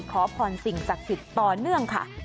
ขอพรสิ่งศักดิ์สิทธิ์ต่อเนื่องค่ะ